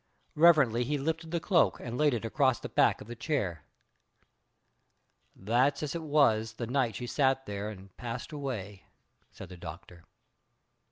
Reverently he lifted the cloak and laid it across the back of the chair. "That's as it was the night she sat there and passed away," said the Doctor.